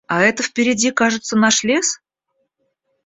А это впереди, кажется, наш лес?